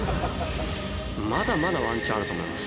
まだまだワンチャンあると思います。